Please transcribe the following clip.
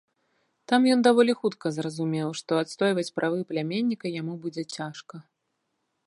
Там ён даволі хутка зразумеў, што адстойваць правы пляменніка яму будзе цяжка.